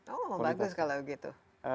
oh bagus kalau begitu